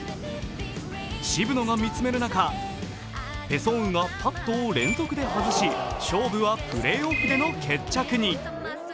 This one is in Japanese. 渋野が見つめる中、ペ・ソンウがパットを連続で外し勝負はプレーオフでの決着に。